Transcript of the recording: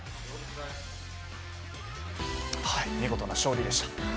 見事な勝利でした。